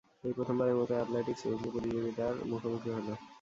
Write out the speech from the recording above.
এই প্রথমবারের মতো "অ্যাথলেটিক্স উইকলি"প্রতিযোগিতার মুখোমুখি হল।